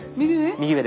右上？